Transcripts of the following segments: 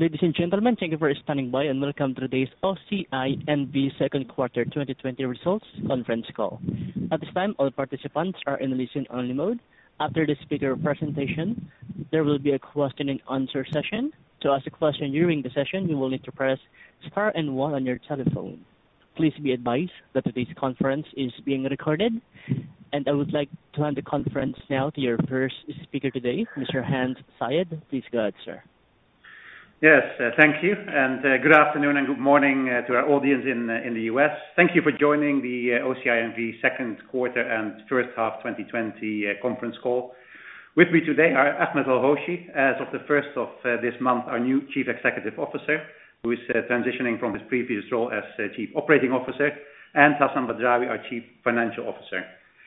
Ladies and gentlemen, thank you for standing by and welcome today's OCI N.V. Second Quarter 2020 Results Conference Call. Please be advised that today's conference is being recorded, and I would like to hand the conference now to your first speaker today, Mr. Hans Zayed. Please go ahead, sir. Yes. Thank you. Good afternoon and good morning to our audience in the U.S. Thank you for joining the OCI N.V. second quarter and first half 2020 conference call. With me today are Ahmed El-Hoshy, as of the first of this month, our new Chief Executive Officer, who is transitioning from his previous role as Chief Operating Officer, and Hassan Badrawi, our Chief Financial Officer.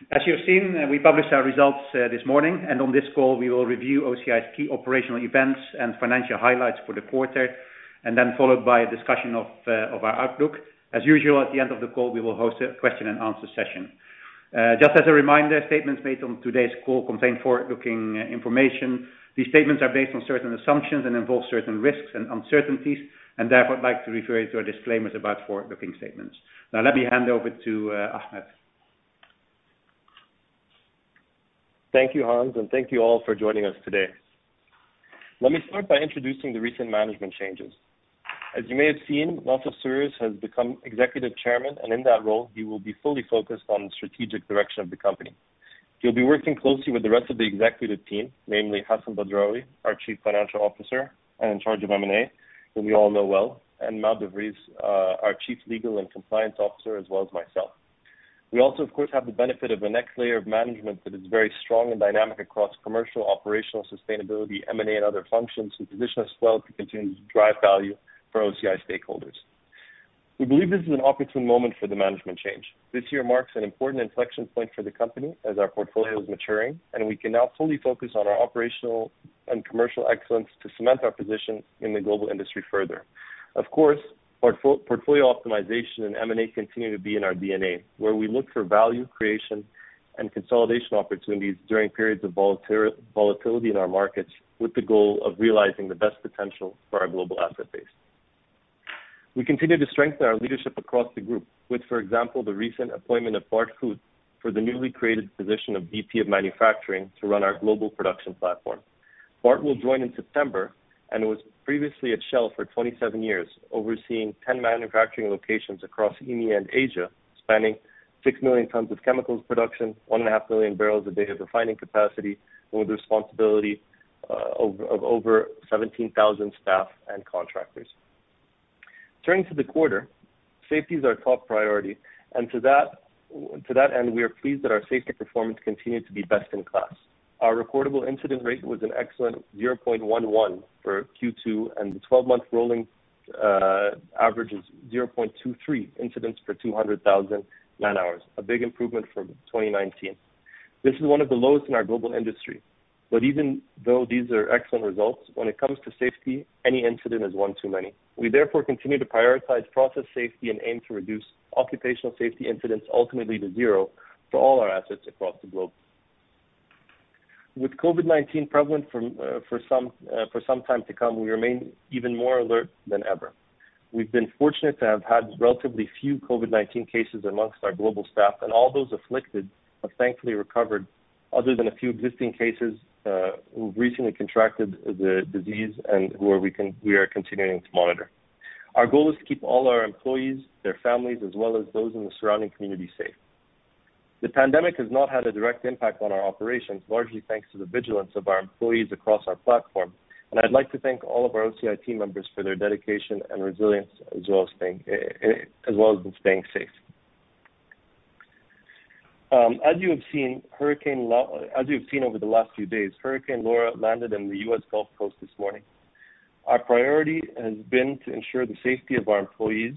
As you have seen, we published our results this morning. On this call we will review OCI's key operational events and financial highlights for the quarter, followed by a discussion of our outlook. As usual, at the end of the call, we will host a question-and-answer session. Just as a reminder, statements made on today's call contain forward-looking information. These statements are based on certain assumptions and involve certain risks and uncertainties, and therefore, I'd like to refer you to our disclaimers about forward-looking statements. Now let me hand over to Ahmed. Thank you, Hans, and thank you all for joining us today. Let me start by introducing the recent management changes. As you may have seen, Nassef Sawiris has become Executive Chairman, and in that role, he will be fully focused on the strategic direction of the company. He'll be working closely with the rest of the executive team, namely Hassan Badrawi, our Chief Financial Officer and in charge of M&A who we all know well, and Maud de Vries, our Chief Legal and Compliance Officer, as well as myself. We also, of course, have the benefit of the next layer of management that is very strong and dynamic across commercial, operational, sustainability, M&A, and other functions to position us well to continue to drive value for OCI stakeholders. We believe this is an opportune moment for the management change. This year marks an important inflection point for the company as our portfolio is maturing, and we can now fully focus on our operational and commercial excellence to cement our position in the global industry further. Of course, portfolio optimization and M&A continue to be in our DNA, where we look for value creation and consolidation opportunities during periods of volatility in our markets with the goal of realizing the best potential for our global asset base. We continue to strengthen our leadership across the group with, for example, the recent appointment of Bart Koops for the newly created position of VP of Manufacturing to run our global production platform. Bart will join in September and was previously at Shell for 27 years, overseeing 10 manufacturing locations across EMEA and Asia, spanning 6 million tons of chemicals production, one and a half million barrels a day of refining capacity, and with responsibility of over 17,000 staff and contractors. Turning to the quarter, safety is our top priority, and to that end, we are pleased that our safety performance continued to be best in class. Our recordable incident rate was an excellent 0.11 for Q2, and the 12-month rolling average is 0.23 incidents per 200,000 man-hours, a big improvement from 2019. This is one of the lowest in our global industry. Even though these are excellent results, when it comes to safety, any incident is one too many. We continue to prioritize process safety and aim to reduce occupational safety incidents ultimately to zero for all our assets across the globe. With COVID-19 prevalent for some time to come, we remain even more alert than ever. We've been fortunate to have had relatively few COVID-19 cases amongst our global staff. All those afflicted have thankfully recovered, other than a few existing cases who recently contracted the disease and who we are continuing to monitor. Our goal is to keep all our employees, their families, as well as those in the surrounding community safe. The pandemic has not had a direct impact on our operations, largely thanks to the vigilance of our employees across our platform. I'd like to thank all of our OCI team members for their dedication and resilience, as well as in staying safe. As you have seen over the last few days, Hurricane Laura landed in the U.S. Gulf Coast this morning. Our priority has been to ensure the safety of our employees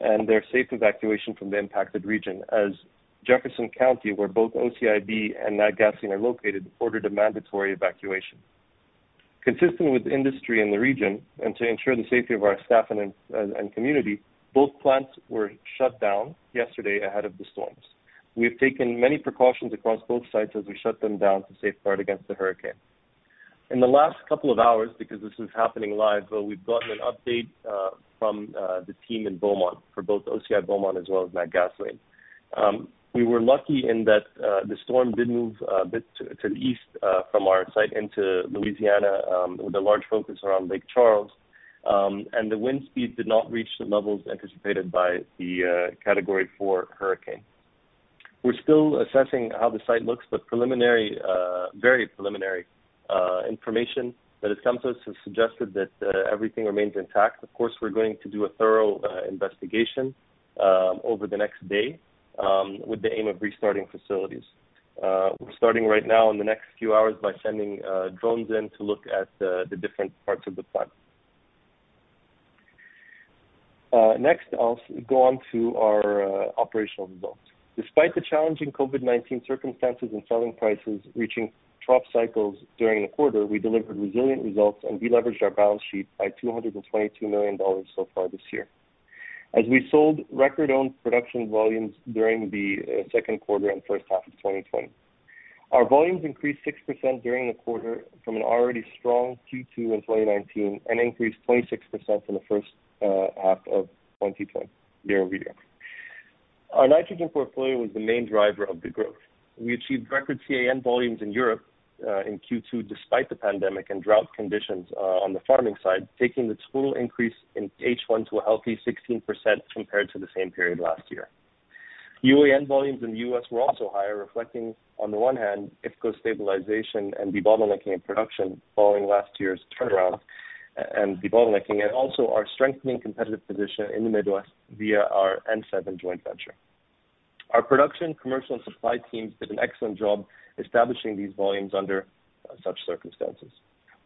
and their safe evacuation from the impacted region as Jefferson County, where both OCIB and Natgasoline are located, ordered a mandatory evacuation. Consistent with the industry in the region and to ensure the safety of our staff and community, both plants were shut down yesterday ahead of the storms. We have taken many precautions across both sites as we shut them down to safeguard against the hurricane. In the last couple of hours, because this is happening live, we've gotten an update from the team in Beaumont for both OCI Beaumont and Natgasoline. We were lucky in that the storm did move a bit to the east from our site into Louisiana, with a large focus around Lake Charles, and the wind speed did not reach the levels anticipated by the Category 4 hurricane. We're still assessing how the site looks, but very preliminary information that has come to us has suggested that everything remains intact. Of course, we're going to do a thorough investigation over the next day with the aim of restarting facilities. We're starting right now in the next few hours by sending drones in to look at the different parts of the plant. Next, I'll go on to our operational results. Despite the challenging COVID-19 circumstances and selling prices reaching trough cycles during the quarter, we delivered resilient results and deleveraged our balance sheet by $222 million so far this year, as we sold record owned production volumes during the second quarter and first half of 2020. Our volumes increased 6% during the quarter from an already strong Q2 in 2019 and increased 26% in the first half of 2020 year-over-year. Our nitrogen portfolio was the main driver of the growth. We achieved record CAN volumes in Europe in Q2, despite the pandemic and drought conditions on the farming side, taking the total increase in H1 to a healthy 16% compared to the same period last year. UAN volumes in the U.S. were also higher, reflecting on the one hand, IFCo stabilization and debottlenecking of production following last year's turnaround and debottlenecking, and also our strengthening competitive position in the Midwest via our N-7 joint venture. Our production, commercial, and supply teams did an excellent job establishing these volumes under such circumstances.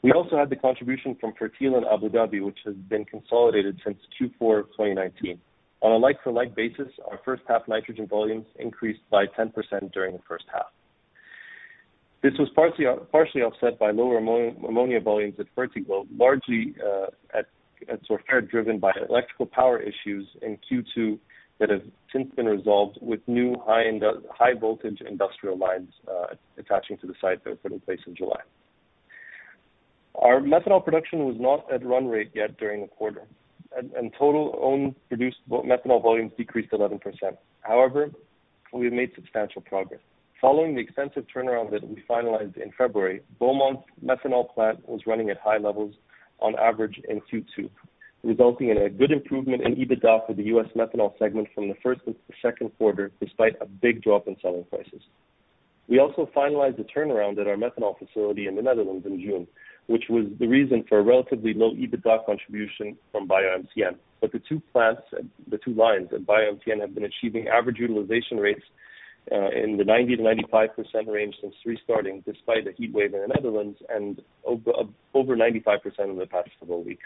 We also had the contribution from Fertiglobe in Abu Dhabi, which has been consolidated since Q4 2019. On a like-for-like basis, our first half nitrogen volumes increased by 10% during the first half. This was partially offset by lower ammonia volumes at Sorfert driven by electrical power issues in Q2 that have since been resolved with new high-voltage industrial lines attaching to the site that were put in place in July. Our methanol production was not at run rate yet during the quarter, and total owned produced methanol volumes decreased 11%. We've made substantial progress. Following the extensive turnaround that we finalized in February, Beaumont's methanol plant was running at high levels on average in Q2, resulting in a good improvement in EBITDA for the U.S. methanol segment from the first and second quarter, despite a big drop in selling prices. We also finalized the turnaround at our methanol facility in the Netherlands in June, which was the reason for a relatively low EBITDA contribution from BioMCN. The two lines at BioMCN have been achieving average utilization rates, in the 90%-95% range since restarting, despite a heat wave in the Netherlands and over 95% in the past several weeks.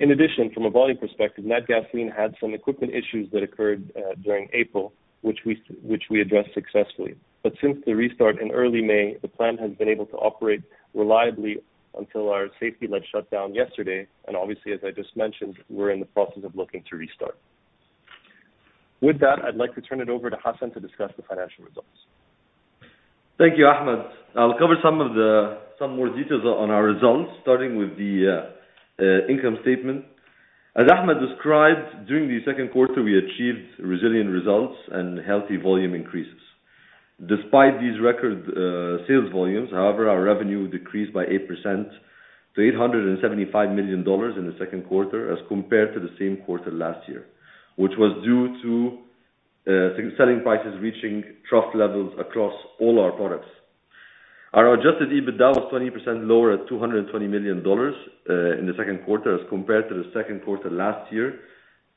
In addition, from a volume perspective, Natgasoline had some equipment issues that occurred during April, which we addressed successfully. Since the restart in early May, the plant has been able to operate reliably until our safety-led shutdown yesterday. Obviously, as I just mentioned, we're in the process of looking to restart. With that, I'd like to turn it over to Hassan to discuss the financial results. Thank you, Ahmed. I'll cover some more details on our results, starting with the income statement. As Ahmed described, during the second quarter, we achieved resilient results and healthy volume increases. Despite these record sales volumes, however, our revenue decreased by 8% to $875 million in the second quarter as compared to the same quarter last year, which was due to selling prices reaching trough levels across all our products. Our adjusted EBITDA was 20% lower at $220 million in the second quarter as compared to the second quarter last year,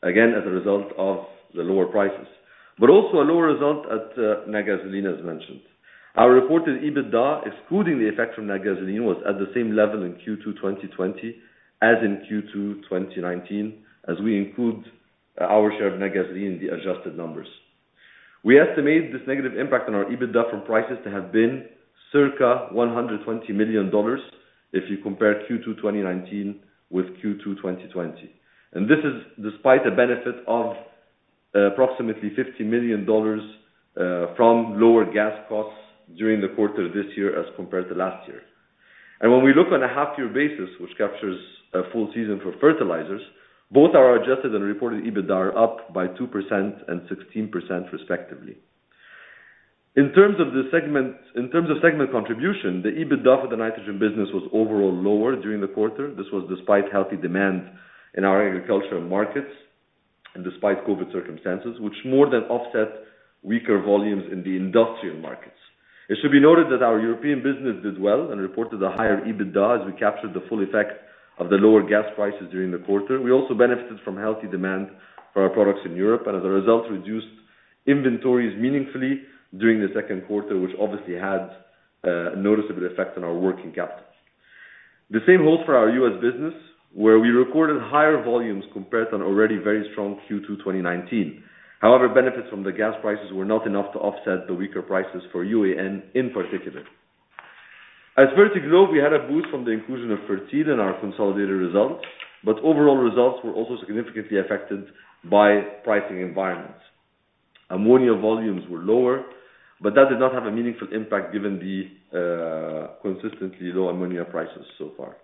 again, as a result of the lower prices, but also a lower result at Natgasoline as mentioned. Our reported EBITDA, excluding the effect from Natgasoline, was at the same level in Q2 2020 as in Q2 2019, as we include our share of Natgasoline in the adjusted numbers. We estimate this negative impact on our EBITDA from prices to have been circa $120 million if you compare Q2 2019 with Q2 2020. This is despite a benefit of approximately $50 million from lower gas costs during the quarter this year as compared to last year. When we look on a half year basis, which captures a full season for fertilizers, both our adjusted and reported EBITDA are up by 2% and 16% respectively. In terms of segment contribution, the EBITDA for the nitrogen business was overall lower during the quarter. This was despite healthy demand in our agricultural markets and despite COVID circumstances, which more than offset weaker volumes in the industrial markets. It should be noted that our European business did well and reported a higher EBITDA as we captured the full effect of the lower gas prices during the quarter. We also benefited from healthy demand for our products in Europe and as a result, reduced inventories meaningfully during the second quarter, which obviously had a noticeable effect on our working capital. The same holds for our U.S. business, where we recorded higher volumes compared to an already very strong Q2 2019. Benefits from the gas prices were not enough to offset the weaker prices for UAN in particular. At Fertiglobe, we had a boost from the inclusion of FERTIL in our consolidated results, overall results were also significantly affected by pricing environments. Ammonia volumes were lower, that did not have a meaningful impact given the consistently low ammonia prices so far.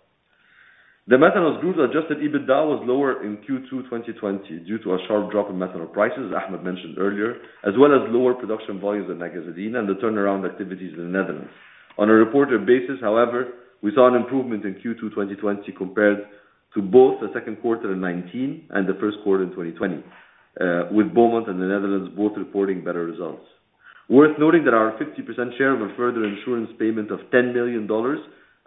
The methanol group's adjusted EBITDA was lower in Q2 2020 due to a sharp drop in methanol prices, as Ahmed mentioned earlier, as well as lower production volumes at Natgasoline and the turnaround activities in the Netherlands. On a reported basis, however, we saw an improvement in Q2 2020 compared to both the second quarter in 2019 and the first quarter in 2020, with Beaumont and the Netherlands both reporting better results. Worth noting that our 50% share of a further insurance payment of $10 million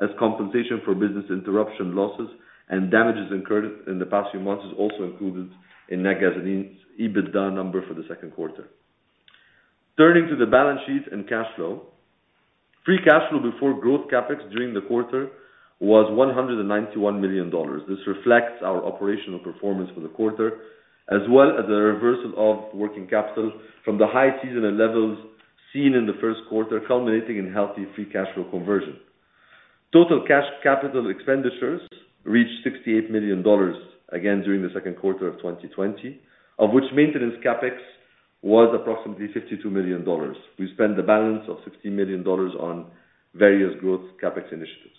as compensation for business interruption losses and damages incurred in the past few months is also included in Natgasoline's EBITDA number for the second quarter. Turning to the balance sheet and cash flow. Free cash flow before growth CapEx during the quarter was $191 million. This reflects our operational performance for the quarter, as well as the reversal of working capital from the high seasonal levels seen in the first quarter, culminating in healthy free cash flow conversion. Total cash capital expenditures reached $68 million, again, during the second quarter of 2020, of which maintenance CapEx was approximately $52 million. We spent the balance of $16 million on various growth CapEx initiatives.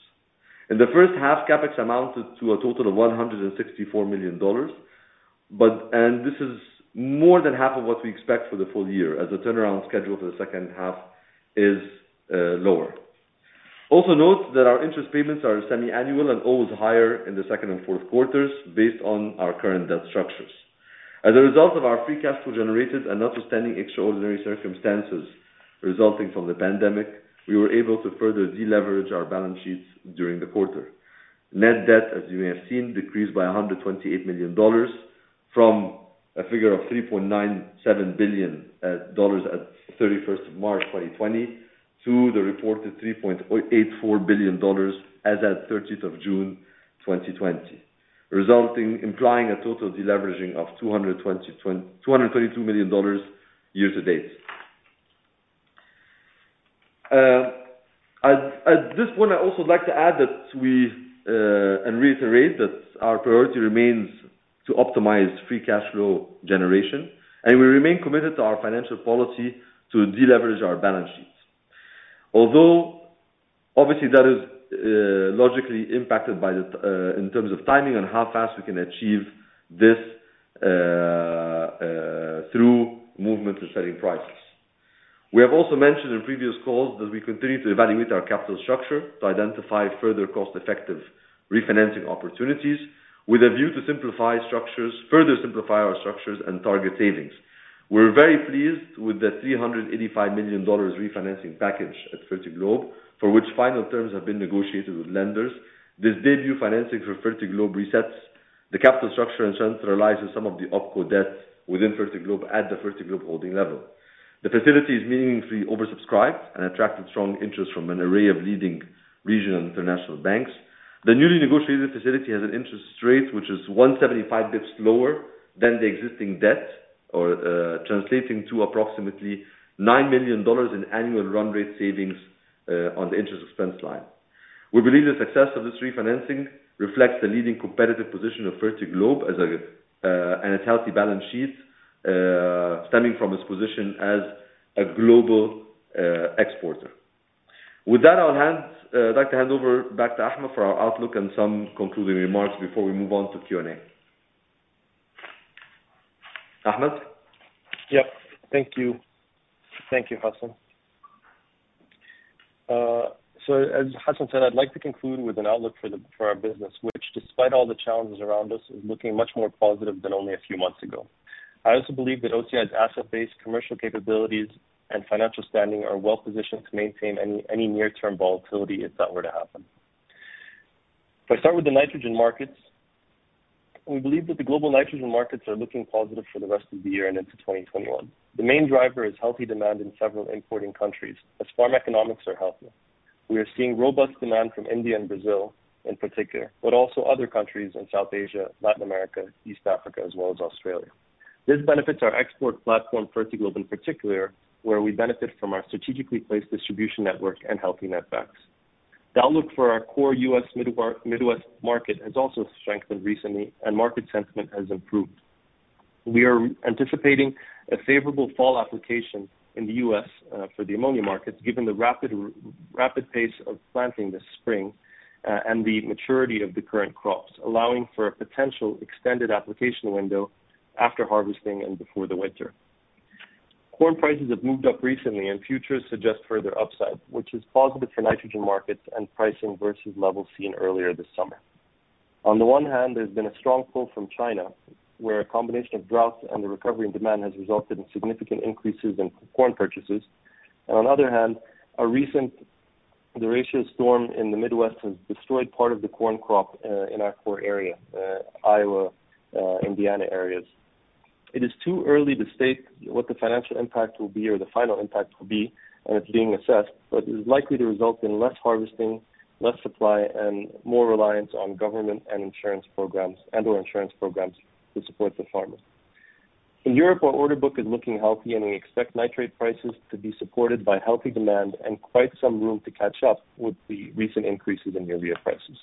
In the first half, CapEx amounted to a total of $164 million. This is more than half of what we expect for the full year as the turnaround schedule for the second half is lower. Note that our interest payments are semi-annual and always higher in the second and fourth quarters based on our current debt structures. As a result of our free cash flow generated and notwithstanding extraordinary circumstances resulting from the pandemic, we were able to further deleverage our balance sheets during the quarter. Net debt, as you may have seen, decreased by $128 million from a figure of $3.97 billion at 31st of March 2020 to the reported $3.84 billion as at 30th of June 2020, implying a total deleveraging of $222 million year-to-date. At this point, I'd also like to add and reiterate that our priority remains to optimize free cash flow generation, and we remain committed to our financial policy to deleverage our balance sheets. Obviously that is logically impacted in terms of timing and how fast we can achieve this through movement and selling prices. We have also mentioned in previous calls that we continue to evaluate our capital structure to identify further cost-effective refinancing opportunities with a view to further simplify our structures and target savings. We're very pleased with the $385 million refinancing package at Fertiglobe, for which final terms have been negotiated with lenders. This debut financing for Fertiglobe resets the capital structure and centralizes some of the OpCo debt within Fertiglobe at the Fertiglobe holding level. The facility is meaningfully oversubscribed and attracted strong interest from an array of leading regional and international banks. The newly negotiated facility has an interest rate which is 175 basis points lower than the existing debt, or translating to approximately $9 million in annual run rate savings on the interest expense line. We believe the success of this refinancing reflects the leading competitive position of Fertiglobe and its healthy balance sheet, stemming from its position as a global exporter. With that, I'd like to hand over back to Ahmed for our outlook and some concluding remarks before we move on to Q&A. Ahmed? Yep. Thank you. Thank you, Hassan. As Hassan said, I'd like to conclude with an outlook for our business, which despite all the challenges around us, is looking much more positive than only a few months ago. I also believe that OCI's asset base, commercial capabilities, and financial standing are well-positioned to maintain any near-term volatility if that were to happen. If I start with the nitrogen markets, we believe that the global nitrogen markets are looking positive for the rest of the year and into 2021. The main driver is healthy demand in several importing countries as farm economics are healthy. We are seeing robust demand from India and Brazil, in particular, but also other countries in South Asia, Latin America, East Africa, as well as Australia. This benefits our export platform, Fertiglobe in particular, where we benefit from our strategically placed distribution network and healthy net backs. The outlook for our core U.S. Midwest market has also strengthened recently and market sentiment has improved. We are anticipating a favorable fall application in the U.S. for the ammonia markets, given the rapid pace of planting this spring, and the maturity of the current crops, allowing for a potential extended application window after harvesting and before the winter. Corn prices have moved up recently, and futures suggest further upside, which is positive for nitrogen markets and pricing versus levels seen earlier this summer. On the one hand, there's been a strong pull from China, where a combination of droughts and the recovery in demand has resulted in significant increases in corn purchases. On the other hand, a recent derecho storm in the Midwest has destroyed part of the corn crop in our core area, Iowa, Indiana areas. It is too early to state what the financial impact will be or the final impact will be, and it is being assessed, but it is likely to result in less harvesting, less supply, and more reliance on government and/or insurance programs to support the farmers. In Europe, our order book is looking healthy, and we expect nitrate prices to be supported by healthy demand and quite some room to catch up with the recent increases in urea prices.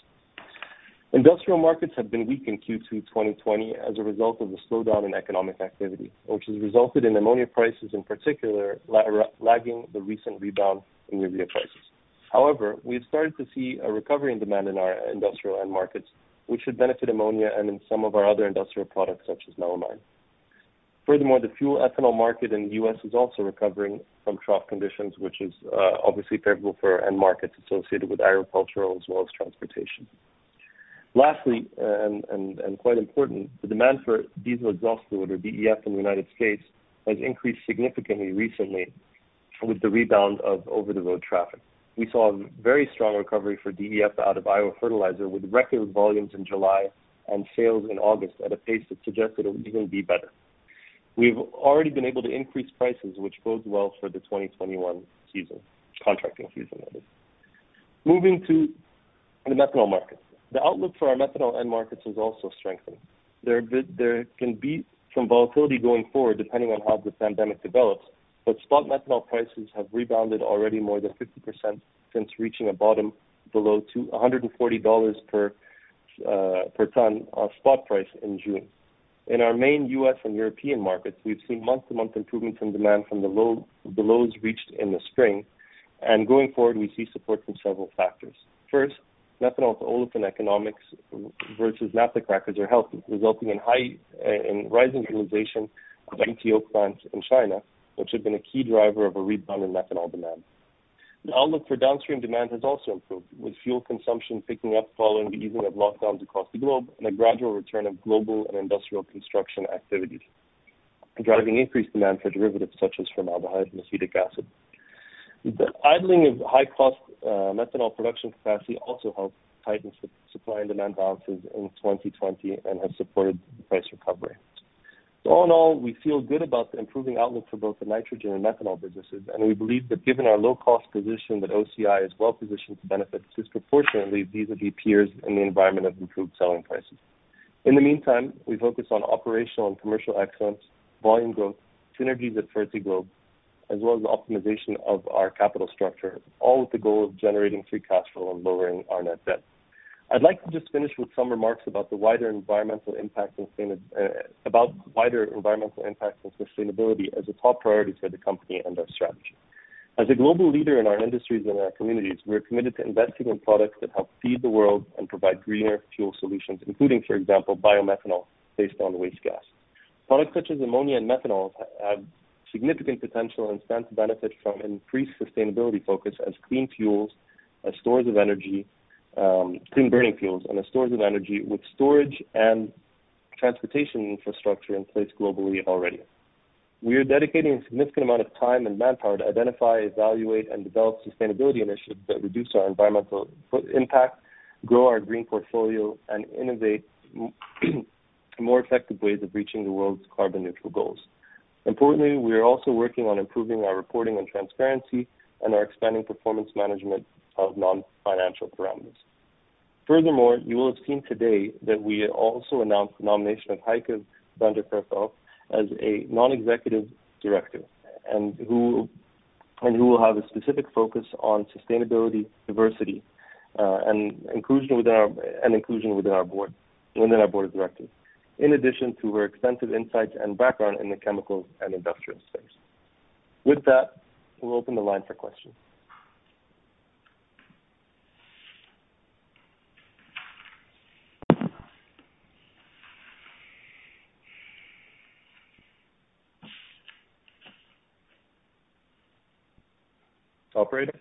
Industrial markets have been weak in Q2 2020 as a result of the slowdown in economic activity, which has resulted in ammonia prices, in particular, lagging the recent rebound in urea prices. However, we have started to see a recovery in demand in our industrial end markets, which should benefit ammonia and in some of our other industrial products such as melamine. Furthermore, the fuel ethanol market in the U.S. is also recovering from trough conditions, which is obviously favorable for end markets associated with agriculture as well as transportation. Lastly, and quite important, the demand for diesel exhaust fluid, or DEF in the U.S., has increased significantly recently with the rebound of over-the-road traffic. We saw a very strong recovery for DEF out of Iowa Fertilizer, with record volumes in July and sales in August at a pace that suggests that it will even be better. We've already been able to increase prices, which bodes well for the 2021 contracting season. In the methanol markets. The outlook for our methanol end markets is also strengthening. There can be some volatility going forward depending on how the pandemic develops, but spot methanol prices have rebounded already more than 50% since reaching a bottom below $140 per ton of spot price in June. In our main U.S. and European markets, we've seen month-to-month improvement from demand from the lows reached in the spring, and going forward, we see support from several factors. First, methanol to olefin economics versus naphtha crackers are healthy, resulting in rising utilization of MTO plants in China, which have been a key driver of a rebound in methanol demand. The outlook for downstream demand has also improved, with fuel consumption picking up following the easing of lockdowns across the globe and a gradual return of global and industrial construction activities, driving increased demand for derivatives such as formaldehyde and acetic acid. The idling of high-cost methanol production capacity also helps tighten supply and demand balances in 2020 and has supported the price recovery. All in all, we feel good about the improving outlook for both the nitrogen and methanol businesses, and we believe that given our low-cost position, that OCI is well-positioned to benefit disproportionately vis-à-vis peers in the environment of improved selling prices. In the meantime, we focus on operational and commercial excellence, volume growth, synergies at Fertiglobe, as well as the optimization of our capital structure—all with the goal of generating free cash flow and lowering our net debt. I'd like to just finish with some remarks about the wider environmental impact and sustainability as a top priority for the company and our strategy. As a global leader in our industries and our communities, we are committed to investing in products that help feed the world and provide greener fuel solutions, including, for example, biomethanol, based on waste gas. Products such as ammonia and methanol have significant potential and stand to benefit from increased sustainability focus as clean-burning fuels and as storage of energy with storage and transportation infrastructure in place globally already. We are dedicating a significant amount of time and manpower to identify, evaluate, and develop sustainability initiatives that reduce our environmental impact, grow our green portfolio, and innovate more effective ways of reaching the world's carbon-neutral goals. We are also working on improving our reporting and transparency and are expanding performance management of non-financial parameters. You will have seen today that we also announced the nomination of Heike van de Kerkhof as a Non-Executive Director, and who will have a specific focus on sustainability, diversity, and inclusion within our board of directors, in addition to her extensive insights and background in the chemicals and industrial space. With that, we'll open the line for questions. Operator?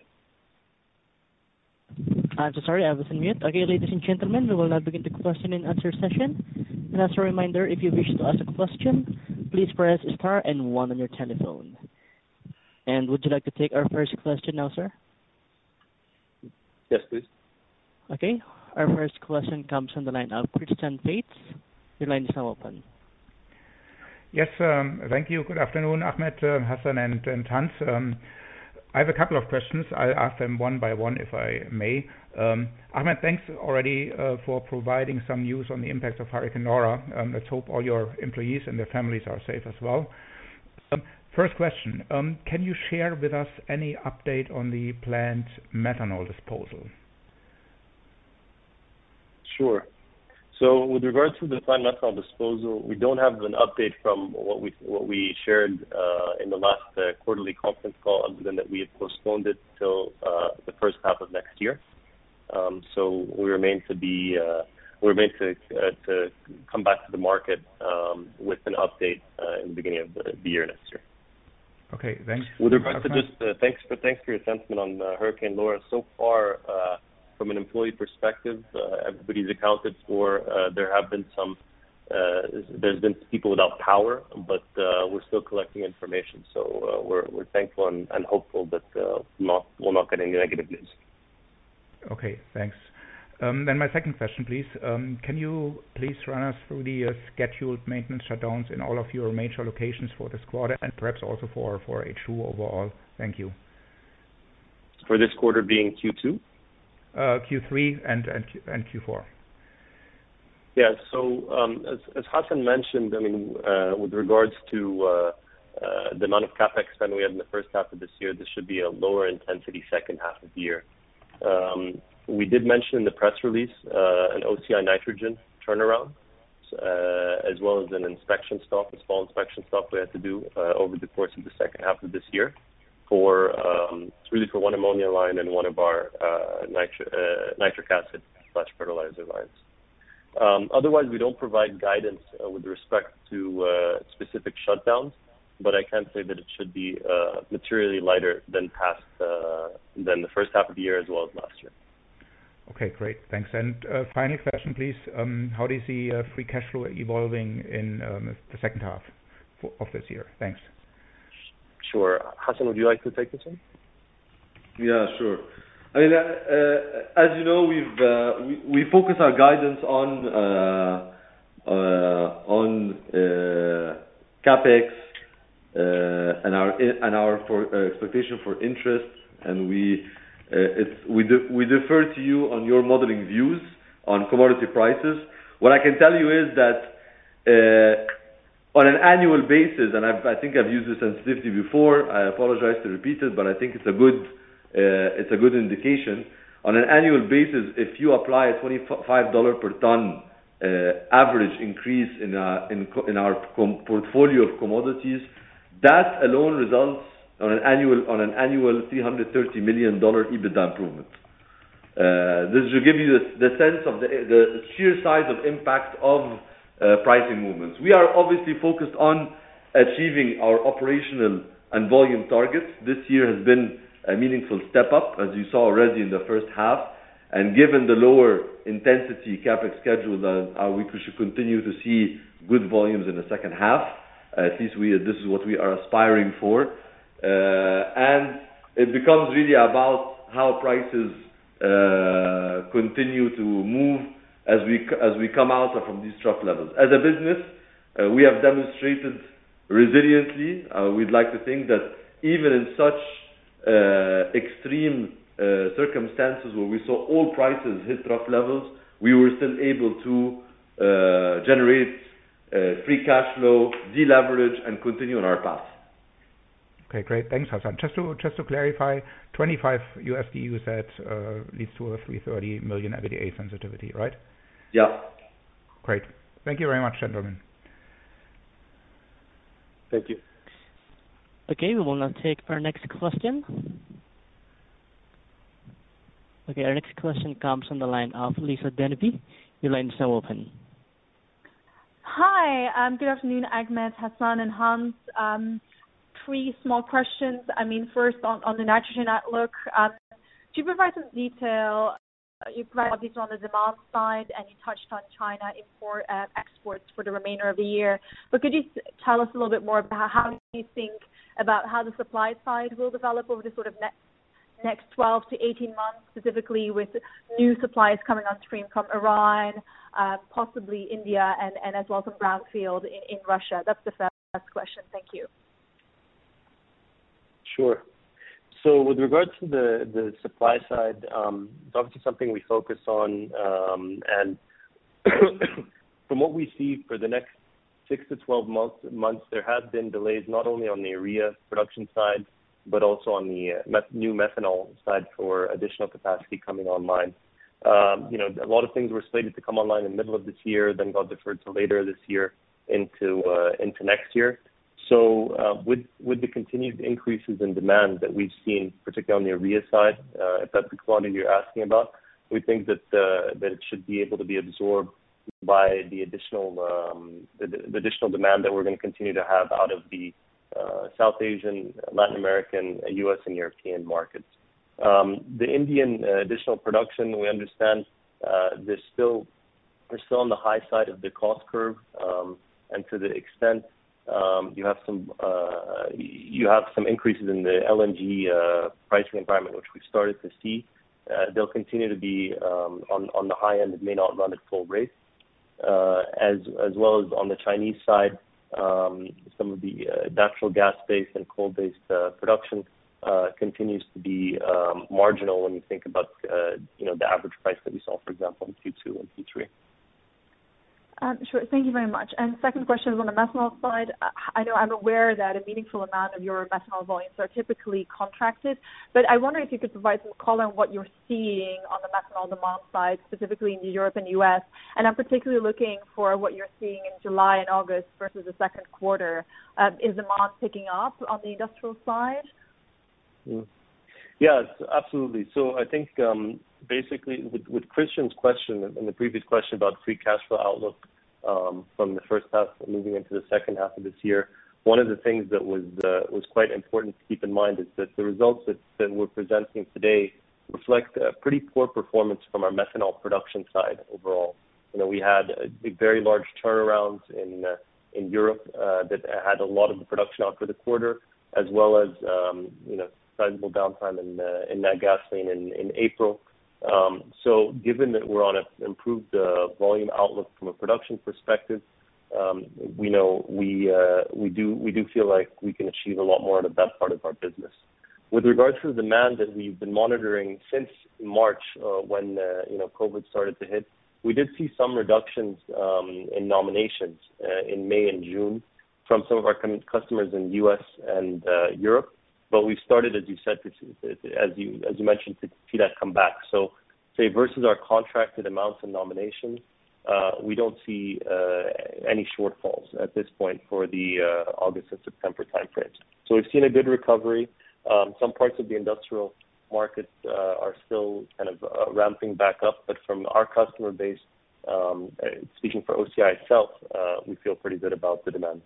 I'm so sorry. I was on mute. Okay, ladies and gentlemen, we will now begin the question and answer session. As a reminder, if you wish to ask a question, please press star and one on your telephone. Would you like to take our first question now, sir? Yes, please. Okay. Our first question comes from the line of Christian Faitz. Your line is now open. Yes. Thank you. Good afternoon, Ahmed, Hassan, and Hans. I have a couple of questions. I'll ask them one by one, if I may. Ahmed, thanks already, for providing some news on the impact of Hurricane Laura. Let's hope all your employees and their families are safe as well. First question. Can you share with us any update on the planned methanol disposal? Sure. With regards to the planned methanol disposal, we don't have an update from what we shared in the last quarterly conference call, other than that we have postponed it till the first half of next year. We remain to come back to the market with an update in the beginning of the year next year. Okay, thanks. With regard to this, thanks for your sentiment on Hurricane Laura. So far, from an employee perspective, everybody's accounted for. There's been people without power, but we're still collecting information. We're thankful and hopeful that we'll not get any negative news. Okay, thanks. My second question, please. Can you please run us through the scheduled maintenance shutdowns in all of your major locations for this quarter, and perhaps also for H2 overall? Thank you. For this quarter being Q2? Q3 and Q4. Yeah. As Hassan mentioned, with regards to the amount of CapEx spend we had in the first half of this year, this should be a lower intensity second half of the year. We did mention in the press release an OCI Nitrogen turnaround, as well as an inspection stop, a small inspection stop we had to do over the course of the second half of this year. It's really for one ammonia line and one of our nitric acid/fertilizer lines. Otherwise, we don't provide guidance with respect to specific shutdowns, but I can say that it should be materially lighter than the first half of the year as well as last year. Okay, great. Thanks. Final question, please. How do you see free cash flow evolving in the second half of this year? Thanks. Sure. Hassan, would you like to take this one? Yeah, sure. As you know, we focus our guidance on CapEx and our expectation for interest, and we defer to you on your modeling views on commodity prices. What I can tell you is that on an annual basis, and I think I've used this sensitivity before, I apologize to repeat it, but I think it's a good indication. On an annual basis, if you apply a $25 per ton average increase in our portfolio of commodities, that alone results on an annual $330 million EBITDA improvement. This should give you the sense of the sheer size of impact of pricing movements. We are obviously focused on achieving our operational and volume targets. This year has been a meaningful step up, as you saw already in the first half. Given the lower intensity CapEx schedule, we should continue to see good volumes in the second half. At least this is what we are aspiring for. It becomes really about how prices continue to move as we come out from these trough levels. As a business, we have demonstrated resiliency. We'd like to think that even in such extreme circumstances where we saw all prices hit trough levels, we were still able to generate free cash flow, de-leverage, and continue on our path. Okay, great. Thanks, Hassan. Just to clarify, $25 you said, leads to a $330 million EBITDA sensitivity, right? Yeah. Great. Thank you very much, gentlemen. Thank you. Okay. We will now take our next question. Okay, our next question comes from the line of Lisa De Nijs. Your line is now open. Hi. Good afternoon, Ahmed El-Hoshy, Hassan, and Hans. Three small questions. First, on the nitrogen outlook. Could you provide some detail? You provided detail on the demand side, and you touched on China exports for the remainder of the year. Could you tell us a little bit more about how you think about how the supply side will develop over the next 12 to 18 months, specifically with new supplies coming on stream from Iran, possibly India, and as well from Brownfield in Russia? That's the first question. Thank you. Sure. With regards to the supply side, it's obviously something we focus on. From what we see for the next six to 12 months, there have been delays not only on the urea production side, but also on the new methanol side for additional capacity coming online. A lot of things were slated to come online in the middle of this year, then got deferred to later this year into next year. With the continued increases in demand that we've seen, particularly on the urea side, if that's the commodity you're asking about, we think that it should be able to be absorbed by the additional demand that we're going to continue to have out of the South Asian, Latin American, U.S., and European markets. The Indian additional production, we understand they're still on the high side of the cost curve. To the extent you have some increases in the LNG pricing environment, which we've started to see, they'll continue to be on the high end and may not run at full rate. On the Chinese side, some of the natural gas-based and coal-based production continues to be marginal when you think about the average price that we saw, for example, in Q2 and Q3. Sure. Thank you very much. Second question is on the methanol side. I know I'm aware that a meaningful amount of your methanol volumes are typically contracted, but I wonder if you could provide some color on what you're seeing on the methanol demand side, specifically in Europe and U.S. I'm particularly looking for what you're seeing in July and August versus the second quarter. Is demand picking up on the industrial side? Yes, absolutely. I think basically with Christian's question and the previous question about free cash flow outlook from the first half moving into the second half of this year, one of the things that was quite important to keep in mind is that the results that we're presenting today reflect a pretty poor performance from our methanol production side overall. We had a very large turnaround in Europe that had a lot of the production out for the quarter, as well as sizable downtime in Natgasoline in April. Given that we're on an improved volume outlook from a production perspective, we do feel like we can achieve a lot more out of that part of our business. With regards to the demand that we've been monitoring since March, when COVID started to hit, we did see some reductions in nominations in May and June from some of our customers in the U.S. and Europe. We've started, as you mentioned, to see that come back. Say versus our contracted amounts and nominations, we don't see any shortfalls at this point for the August and September time frames. We've seen a good recovery. Some parts of the industrial markets are still kind of ramping back up. From our customer base, speaking for OCI itself, we feel pretty good about the demand.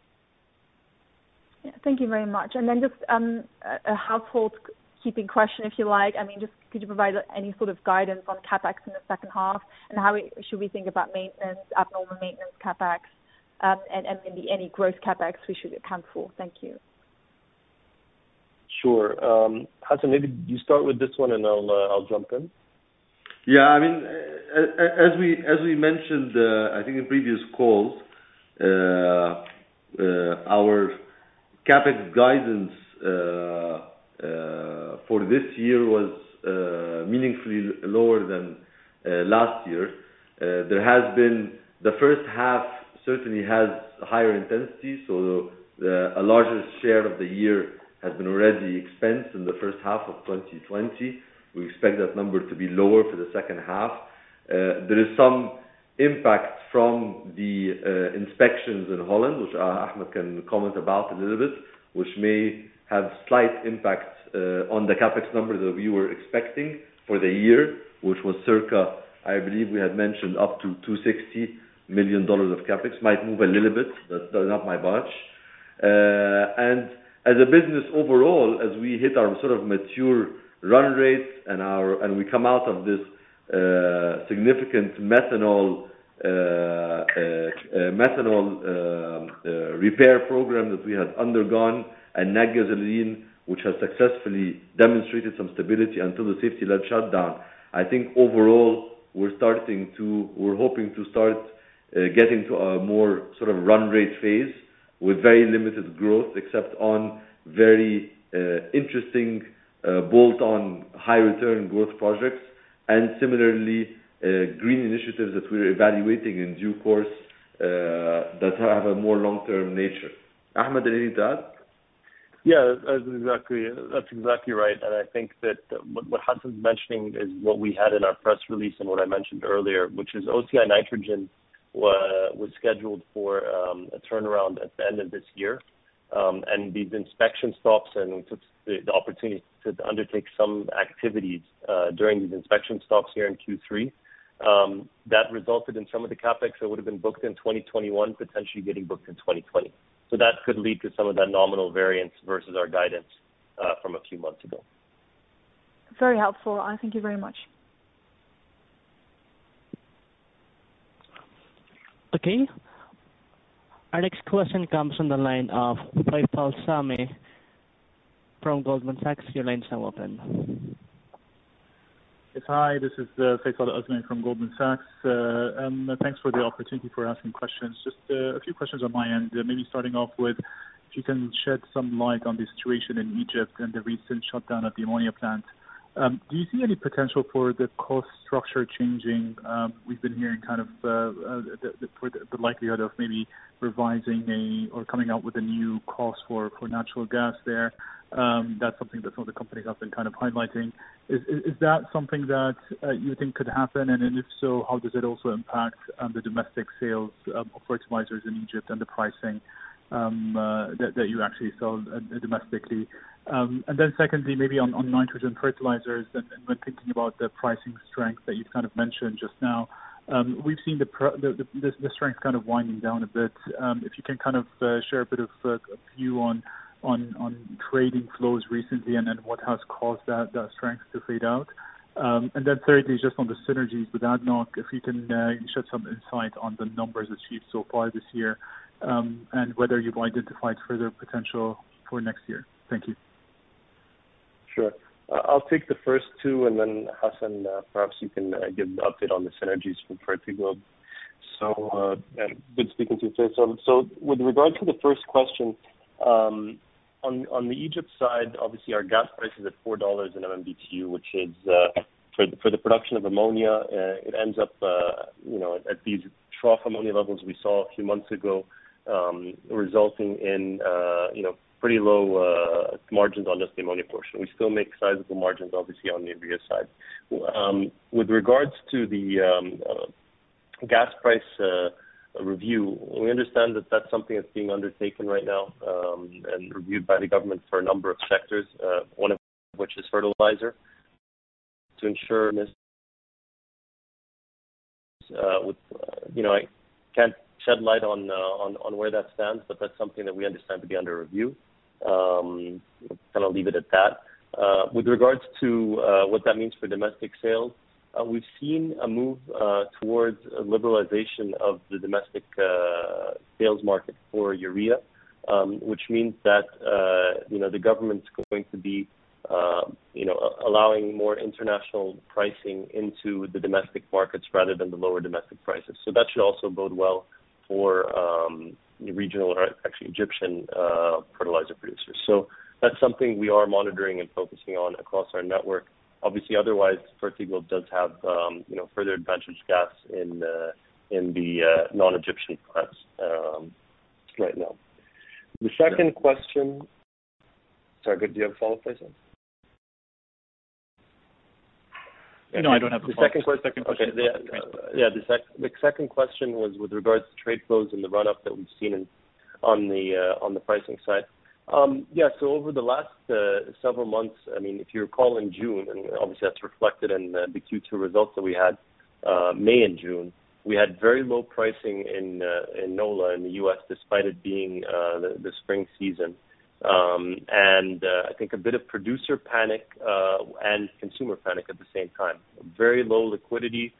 Thank you very much. Just a housekeeping question, if you like. Just could you provide any sort of guidance on CapEx in the second half, and how should we think about maintenance, abnormal maintenance CapEx, and maybe any growth CapEx we should account for? Thank you. Sure. Hassan, maybe you start with this one and I'll jump in. Yeah. As we mentioned, I think in previous calls, our CapEx guidance for this year was meaningfully lower than last year. The first half certainly has higher intensity, so a larger share of the year has been already expensed in the first half of 2020. We expect that number to be lower for the second half. There is some impact from the inspections in Holland, which Ahmed can comment about a little bit, which may have slight impacts on the CapEx number that we were expecting for the year, which was circa, I believe we had mentioned up to $260 million of CapEx. Might move a little bit. That's not my barge. As a business overall, as we hit our sort of mature run rates, we come out of this significant methanol repair program that we had undergone at Natgasoline, which has successfully demonstrated some stability until the safety-led shutdown. I think overall, we're hoping to start getting to a more sort of run rate phase with very limited growth, except on very interesting bolt-on high return growth projects, and similarly, green initiatives that we're evaluating in due course, that have a more long-term nature. Ahmed, any to add? That's exactly right. I think that what Hassan's mentioning is what we had in our press release and what I mentioned earlier, which is OCI Nitrogen was scheduled for a turnaround at the end of this year. These inspection stops took the opportunity to undertake some activities during these inspection stops here in Q3. That resulted in some of the CapEx that would've been booked in 2021, potentially getting booked in 2020. That could lead to some of that nominal variance versus our guidance from a few months ago. Very helpful. Thank you very much. Okay. Our next question comes from the line of Faisal Al-Azmeh from Goldman Sachs. Your line's now open. Yes. Hi, this is Faisal Al-Azmeh from Goldman Sachs. Thanks for the opportunity for asking questions. Just a few questions on my end. Maybe starting off with if you can shed some light on the situation in Egypt and the recent shutdown of the ammonia plant. Do you see any potential for the cost structure changing? We've been hearing kind of the likelihood of maybe revising or coming out with a new cost for natural gas there. That's something that some of the companies have been kind of highlighting. Is that something that you think could happen? If so, how does it also impact the domestic sales of fertilizers in Egypt and the pricing that you actually sell domestically? Secondly, maybe on nitrogen fertilizers and when thinking about the pricing strength that you've kind of mentioned just now. We've seen the strength kind of winding down a bit. If you can kind of share a bit of a view on trading flows recently and then what has caused that strength to fade out. Thirdly, just on the synergies with ADNOC, if you can shed some insight on the numbers achieved so far this year, and whether you've identified further potential for next year. Thank you. Sure. I'll take the first two, and then Hassan, perhaps you can give the update on the synergies for Fertiglobe. Good speaking to you, Faisal. With regard to the first question, on the Egypt side, obviously our gas price is at $4 in MMBtu, which is for the production of ammonia, it ends up at these trough ammonia levels we saw a few months ago, resulting in pretty low margins on just the ammonia portion. We still make sizable margins, obviously, on the urea side. With regards to the gas price review, we understand that that's something that's being undertaken right now, and reviewed by the government for a number of sectors, one of which is fertilizer. To ensure this, I can't shed light on where that stands, but that's something that we understand to be under review. I'll kind of leave it at that. With regards to what that means for domestic sales, we've seen a move towards liberalization of the domestic sales market for urea, which means that the government's going to be allowing more international pricing into the domestic markets rather than the lower domestic prices. That should also bode well for Egyptian fertilizer producers. That's something we are monitoring and focusing on across our network. Obviously, otherwise, Fertiglobe does have further advantage gas in the non-Egyptian plants right now. The second question Sorry, do you have a follow-up, Faisal? No, I don't have a follow-up. The second question. That's okay The second question was with regards to trade flows and the run-up that we've seen on the pricing side. Over the last several months, if you recall, in June, and obviously that's reflected in the Q2 results that we had, May and June, we had very low pricing in NOLA, in the U.S., despite it being the spring season. I think a bit of producer panic, and consumer panic at the same time. Very low liquidity.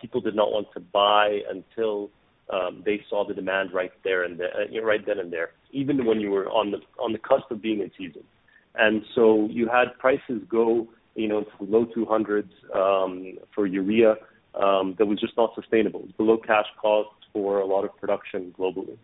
People did not want to buy until they saw the demand right then and there, even when you were on the cusp of being in season. You had prices go to low $200s for urea that was just not sustainable. Below cash costs for a lot of production globally.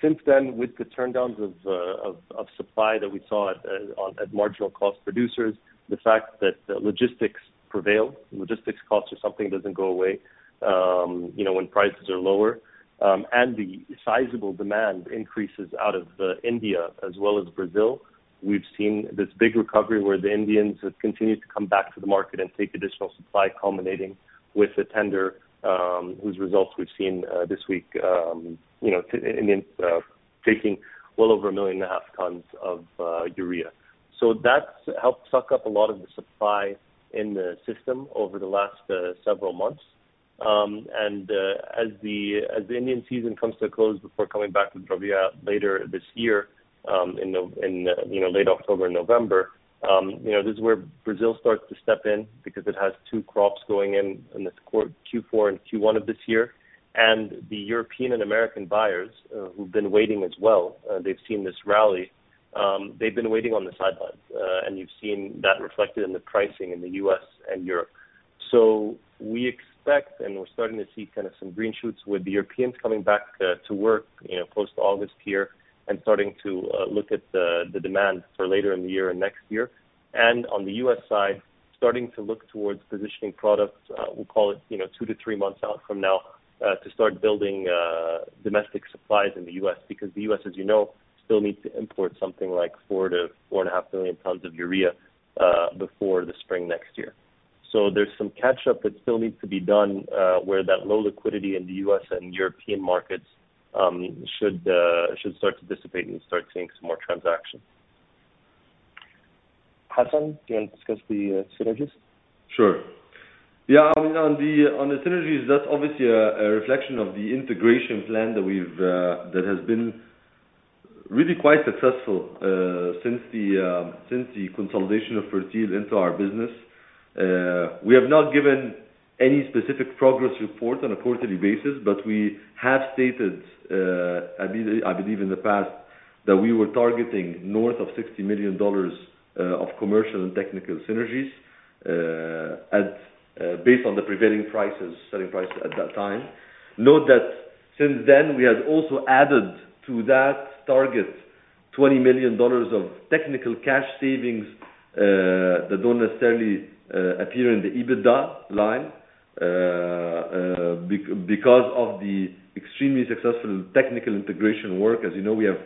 Since then, with the turndowns of supply that we saw at marginal cost producers, the fact that logistics prevail, logistics costs are something that doesn't go away when prices are lower, and the sizable demand increases out of India as well as Brazil, we've seen this big recovery where the Indians have continued to come back to the market and take additional supply, culminating with the tender, whose results we've seen this week, Indians taking well over 1.5 million tons of urea. That's helped suck up a lot of the supply in the system over the last several months. As the Indian season comes to a close before coming back with Rabi later this year, in late October, November, this is where Brazil starts to step in because it has two crops going in this Q4 and Q1 of this year. The European and American buyers who've been waiting as well, they've seen this rally. They've been waiting on the sidelines. You've seen that reflected in the pricing in the U.S. and Europe. We expect, and we're starting to see some green shoots with the Europeans coming back to work close to August here and starting to look at the demand for later in the year and next year. On the U.S. side, starting to look towards positioning products, we'll call it two to three months out from now, to start building domestic supplies in the U.S., because the U.S., as you know, still needs to import something like 4 to 4.5 million tons of urea before the spring next year. There's some catch up that still needs to be done where that low liquidity in the U.S. and European markets should start to dissipate and start seeing some more transactions. Hassan, do you want to discuss the synergies? Sure. Yeah, on the synergies, that's obviously a reflection of the integration plan that has been really quite successful since the consolidation of Fertiglobe into our business. We have not given any specific progress reports on a quarterly basis, but we have stated, I believe, in the past that we were targeting north of $60 million of commercial and technical synergies based on the prevailing prices, selling prices at that time. Note that since then, we have also added to that target $20 million of technical cash savings that don't necessarily appear in the EBITDA line because of the extremely successful technical integration work. As you know, we have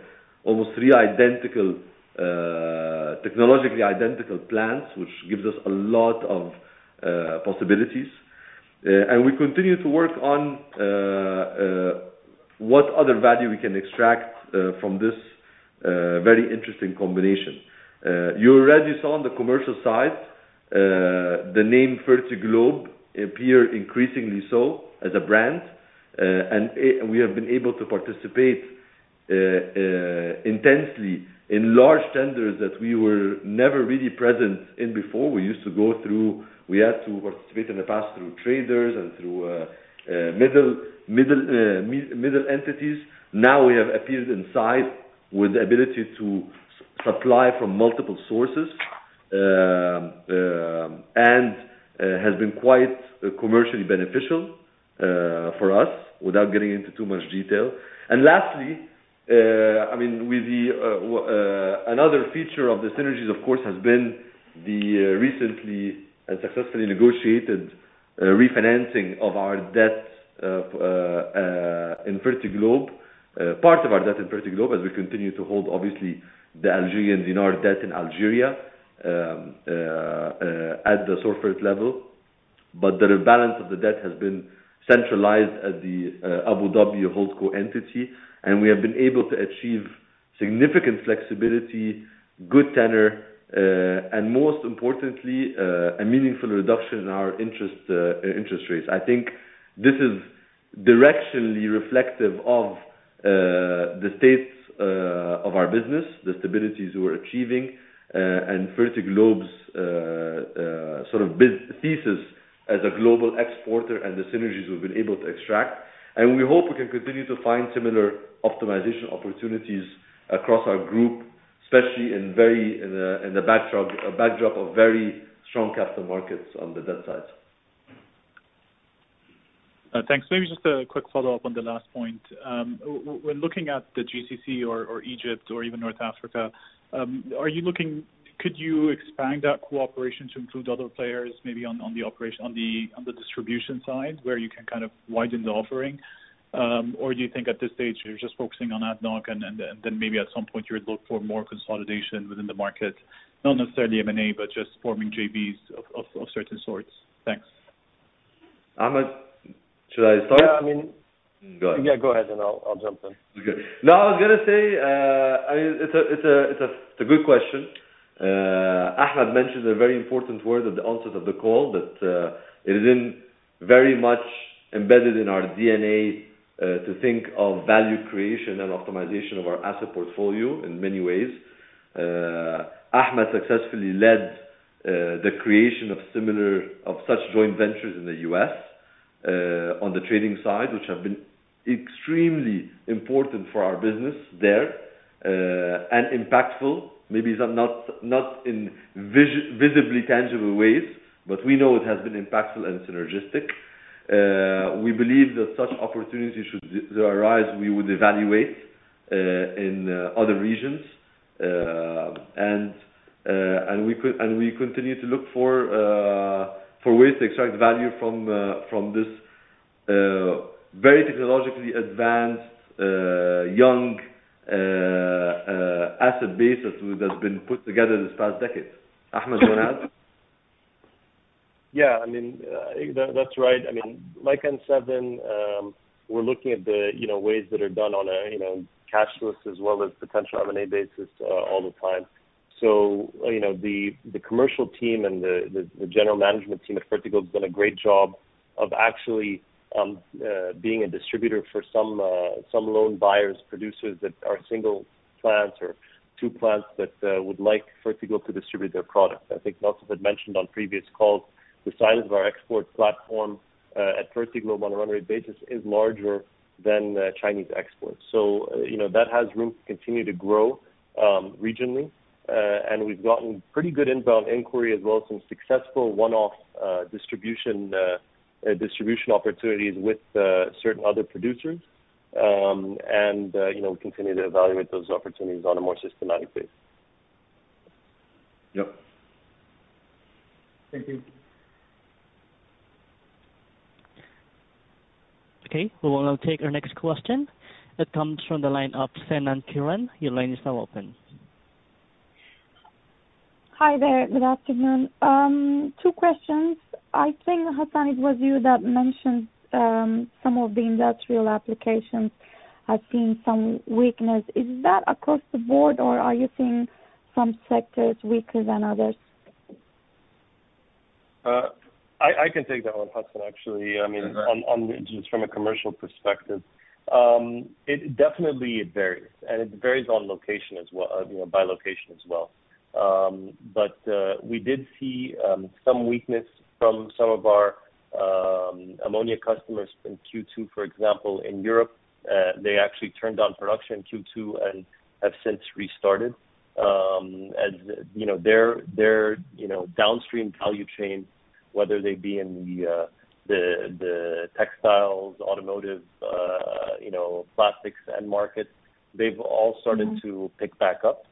almost three technologically identical plants, which gives us a lot of possibilities. We continue to work on what other value we can extract from this very interesting combination. You already saw on the commercial side, the name Fertiglobe appear increasingly so as a brand. We have been able to participate intensely in large tenders that we were never really present in before. We had to participate in the past through traders and through middle entities. Now we have appeared inside with the ability to supply from multiple sources, and has been quite commercially beneficial for us, without getting into too much detail. Lastly, another feature of the synergies, of course, has been the recently and successfully negotiated refinancing of our debts in Fertiglobe, part of our debt in Fertiglobe, as we continue to hold, obviously, the Algerians dinar debt in Algeria at the Sorfert level. The rebalance of the debt has been centralized at the Abu Dhabi Holdco entity, and we have been able to achieve significant flexibility, good tenor, and most importantly, a meaningful reduction in our interest rates. I think this is directionally reflective of the states of our business, the stabilities we're achieving and Fertiglobe's thesis as a global exporter and the synergies we've been able to extract. We hope we can continue to find similar optimization opportunities across our group, especially in the backdrop of very strong capital markets on the debt side. Thanks. Maybe just a quick follow-up on the last point. When looking at the GCC or Egypt or even North Africa, could you expand that cooperation to include other players maybe on the distribution side where you can kind of widen the offering? Do you think at this stage you're just focusing on ADNOC and then maybe at some point you would look for more consolidation within the market? Not necessarily M&A, but just forming JVs of certain sorts. Thanks. Ahmed, should I start? Yeah, I mean. Go ahead and I'll jump in. Okay. No, I was going to say, it's a good question. Ahmed mentioned a very important word at the onset of the call, that it is in very much embedded in our DNA to think of value creation and optimization of our asset portfolio in many ways. Ahmed successfully led the creation of such joint ventures in the U.S. on the trading side, which have been extremely important for our business there, and impactful. Maybe not in visibly tangible ways, we know it has been impactful and synergistic. We believe that such opportunities should arise. We would evaluate in other regions. We continue to look for ways to extract value from this very technologically advanced, young asset base that's been put together this past decade. Ahmed, do you want to add? Yeah. That's right. Like N said, we're looking at the ways that are done on a cashless as well as potential M&A basis all the time. The commercial team and the general management team at Fertiglobe has done a great job of actually being a distributor for some lone buyers, producers that are single plants or two plants that would like Fertiglobe to distribute their products. I think Nassef had mentioned on previous calls, the size of our export platform at Fertiglobe on a run rate basis is larger than Chinese exports. That has room to continue to grow regionally. We've gotten pretty good inbound inquiry as well, some successful one-off distribution opportunities with certain other producers. We continue to evaluate those opportunities on a more systematic basis. Yep. Thank you. Okay, we will now take our next question. It comes from the line of Senan Kiran. Your line is now open. Hi there. Good afternoon. Two questions. I think, Hassan, it was you that mentioned some of the industrial applications have seen some weakness. Is that across the board or are you seeing some sectors weaker than others? I can take that one, Hassan, actually. Go ahead. Just from a commercial perspective, it definitely varies, and it varies by location as well. We did see some weakness from some of our ammonia customers in Q2, for example, in Europe. They actually turned down production in Q2 and have since restarted. As their downstream value chain, whether they be in the textiles, automotive, plastics end markets, they've all started to pick back up.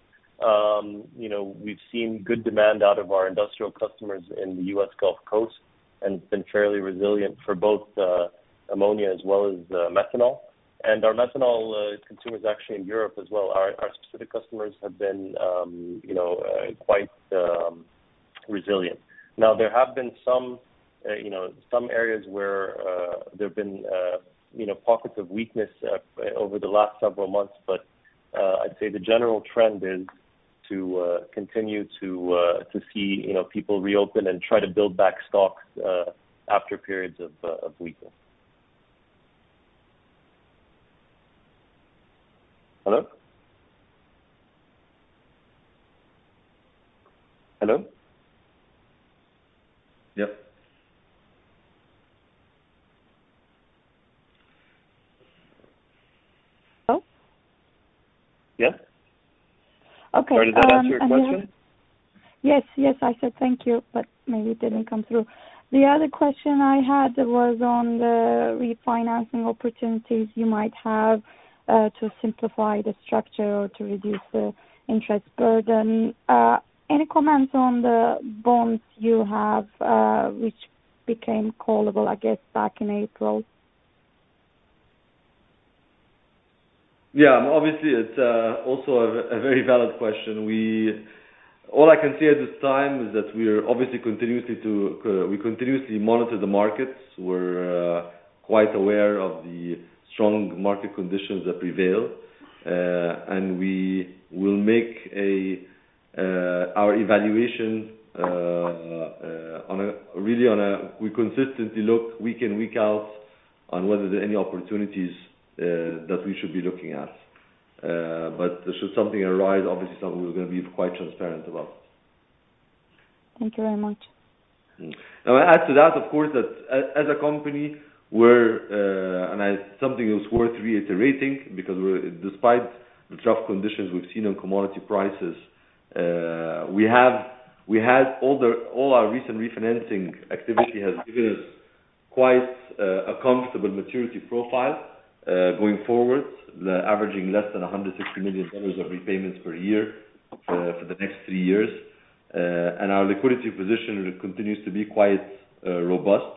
We've seen good demand out of our industrial customers in the U.S. Gulf Coast, and it's been fairly resilient for both ammonia as well as methanol. Our methanol consumers, actually in Europe as well, our specific customers have been quite resilient. Now, there have been some areas where there have been pockets of weakness over the last several months. I'd say the general trend is to continue to see people reopen and try to build back stocks after periods of weakness. Hello? Hello? Yep. Hello? Yeah. Okay. Sorry, did that answer your question? Yes. I said thank you, but maybe it didn't come through. The other question I had was on the refinancing opportunities you might have to simplify the structure or to reduce the interest burden. Any comments on the bonds you have which became callable, I guess back in April? Yeah, obviously it's also a very valid question. All I can say at this time is that we obviously continuously monitor the markets. We're quite aware of the strong market conditions that prevail. We will make our evaluation, we consistently look week in, week out on whether there are any opportunities that we should be looking at. Should something arise, obviously, it's something we're going to be quite transparent about. Thank you very much. I'll add to that, of course, that as a company, and something that's worth reiterating, because despite the tough conditions we've seen on commodity prices, all our recent refinancing activity has given us quite a comfortable maturity profile going forward, averaging less than $160 million of repayments per year for the next three years. Our liquidity position continues to be quite robust,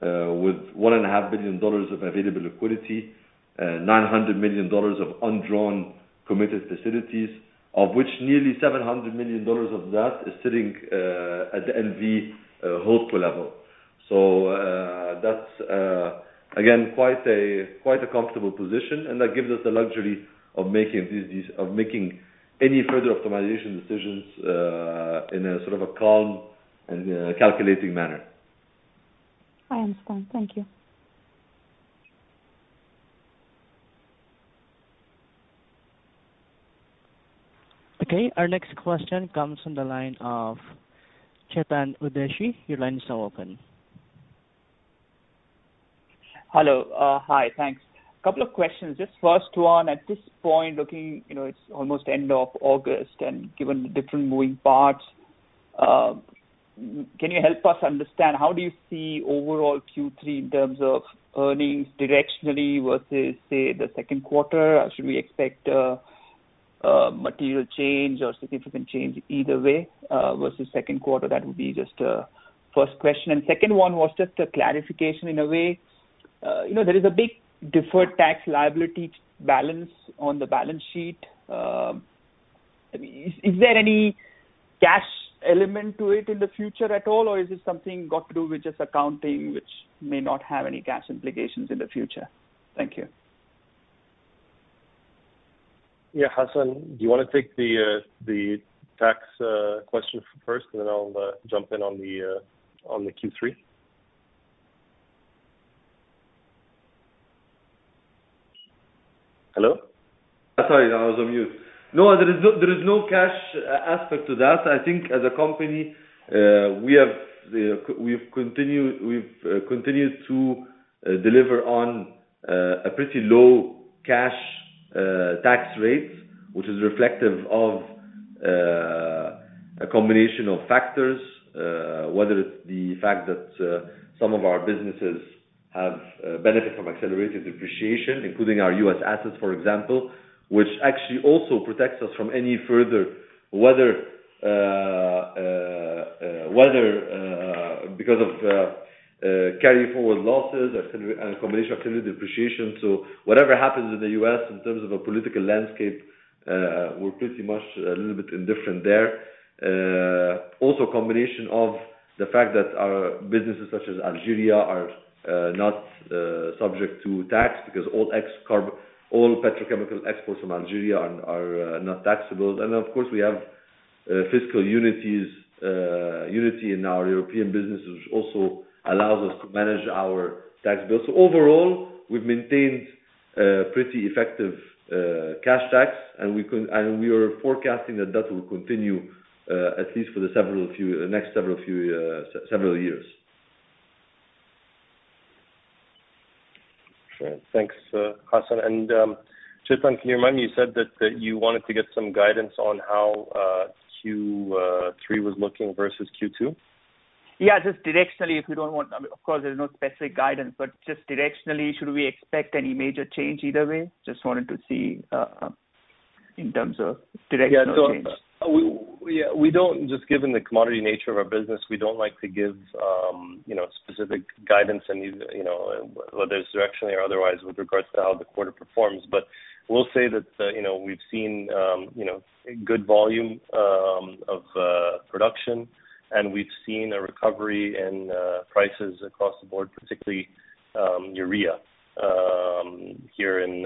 with $1.5 billion of available liquidity, $900 million of undrawn committed facilities, of which nearly $700 million of that is sitting at the NV holdco level. That's, again, quite a comfortable position, and that gives us the luxury of making any further optimization decisions in a calm and calculating manner. I understand. Thank you. Okay. Our next question comes from the line of Chetan Udeshi. Your line is now open. Hello. Hi, thanks. Couple of questions. Just first one, at this point looking, it's almost end of August, and given the different moving parts, can you help us understand how do you see overall Q3 in terms of earnings directionally versus, say, the second quarter? Should we expect a material change or significant change either way, versus second quarter? That would be just a first question. Second one was just a clarification in a way. There is a big deferred tax liability balance on the balance sheet. Is there any cash element to it in the future at all, or is this something got to do with just accounting, which may not have any cash implications in the future? Thank you. Yeah. Hassan, do you want to take the tax question first, and then I'll jump in on the Q3? Hello? Sorry, I was on mute. No, there is no cash aspect to that. I think as a company, we've continued to deliver on a pretty low cash tax rate, which is reflective of a combination of factors, whether it's the fact that some of our businesses have benefited from accelerated depreciation, including our U.S. assets, for example, which actually also protects us from any further, whether because of carry-forward losses and a combination of accelerated depreciation. Whatever happens in the U.S. in terms of a political landscape, we're pretty much a little bit indifferent there. Also, a combination of the fact that our businesses such as Algeria are not subject to tax because all petrochemical exports from Algeria are not taxable. Of course, we have fiscal unity in our European business, which also allows us to manage our tax bill. Overall, we've maintained pretty effective cash tax, and we are forecasting that will continue at least for the next several years. Sure. Thanks, Hassan. Chetan, can you remind me, you said that you wanted to get some guidance on how Q3 was looking versus Q2? Yeah, just directionally, Of course, there's no specific guidance, but just directionally, should we expect any major change either way? Just wanted to see in terms of directional change. Yeah. Just given the commodity nature of our business, we don't like to give specific guidance whether it's directionally or otherwise with regards to how the quarter performs. We'll say that we've seen good volume of production, and we've seen a recovery in prices across the board, particularly urea, here in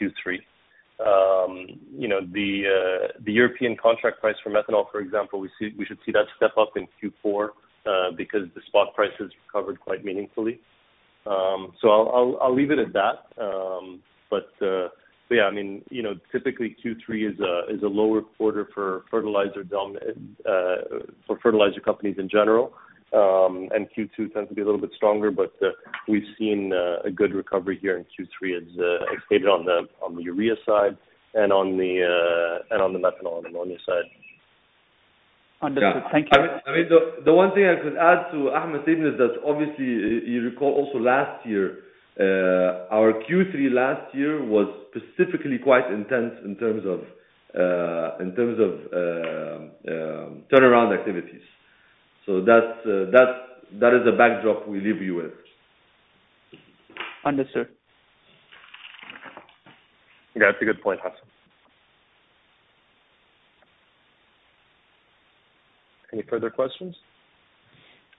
Q3. The European contract price for methanol, for example, we should see that step up in Q4 because the spot prices recovered quite meaningfully. I'll leave it at that. Yeah, typically Q3 is a lower quarter for fertilizer companies in general. Q2 tends to be a little bit stronger, but we've seen a good recovery here in Q3 as stated on the urea side and on the methanol and ammonia side. Understood. Thank you. The one thing I could add to Ahmed's statement is that obviously, you recall also last year, our Q3 last year was specifically quite intense in terms of turnaround activities. That is the backdrop we leave you with. Understood. Yeah. That's a good point, Hassan. Any further questions?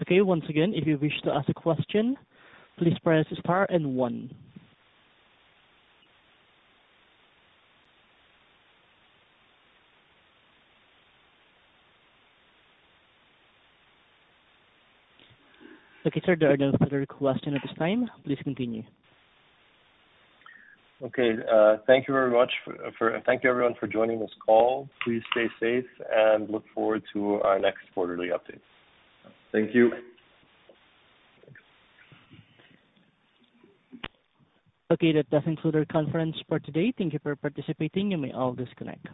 Okay. Once again, if you wish to ask a question, please press star and one. Okay, sir, there are no further questions at this time. Please continue. Okay. Thank you very much. Thank you everyone for joining this call. Please stay safe and look forward to our next quarterly update. Thank you. Okay. That does conclude our conference for today. Thank you for participating. You may all disconnect.